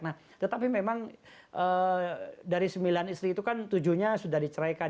nah tetapi memang dari sembilan istri itu kan tujuhnya sudah diceraikan